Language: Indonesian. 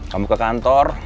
kamu ke kantor